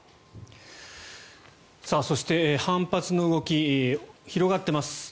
そして、反発の動き広がっています。